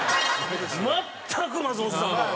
全く松本さんは。